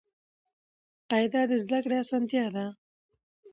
قاعده د زده کړي اسانتیا ده.